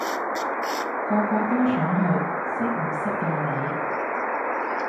個個都想去，識唔識㗎你？